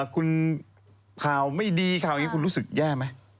คุณคราวไม่ดีคราวนี้คุณรู้สึกแย่ไหม